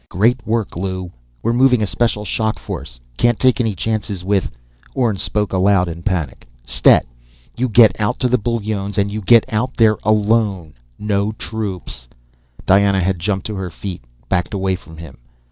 "Great work, Lew! We're moving in a special shock force. Can't take any chances with " Orne spoke aloud in panic: "Stet! You get out to the Bullones! And you get there alone! No troops!" Diana had jumped to her feet, backed away from him.